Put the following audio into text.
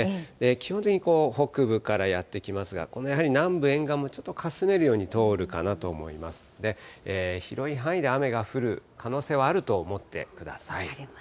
基本的に北部からやって来ますが、やはり南部沿岸もちょっとかすめるように通るかなと思いますので、広い範囲で雨が降る可能性はあると思ってください。